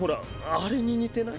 アレに似てない？